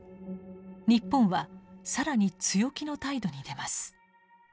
日本は更に強気の態度に出ます。